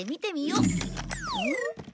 うん？